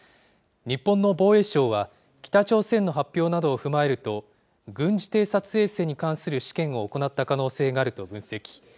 日本の防衛省は、北朝鮮の発表などを踏まえると、軍事偵察衛星に関する試験を行った可能性があると分析。